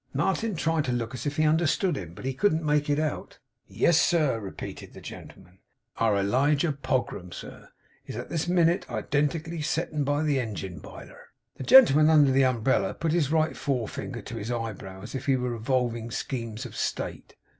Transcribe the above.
Martin tried to look as if he understood him, but he couldn't make it out. 'Yes, sir,' repeated the gentleman, 'our Elijah Pogram, sir, is, at this minute, identically settin' by the engine biler.' The gentleman under the umbrella put his right forefinger to his eyebrow, as if he were revolving schemes of state.